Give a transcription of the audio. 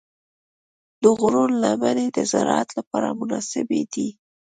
د غرونو لمنې د زراعت لپاره مناسبې دي.